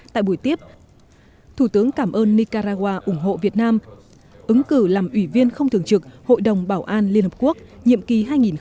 tại buổi tiếp thủ tướng cảm ơn nicaragua ủng hộ việt nam ứng cử làm ủy viên không thường trực hội đồng bảo an liên hợp quốc nhiệm kỳ hai nghìn hai mươi hai nghìn hai mươi một